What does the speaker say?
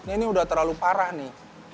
ini udah terlalu parah nih